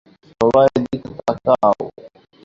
সবাই এদিকে তাকাও।